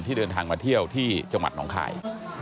เดินทางมาเที่ยวที่จังหวัดหนองคาย